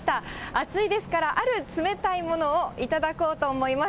暑いですから、ある冷たいものを頂こうと思います。